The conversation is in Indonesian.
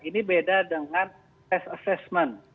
ini beda dengan test assessment